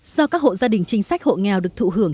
do các hộ gia đình chính sách hộ nghèo được thụ hưởng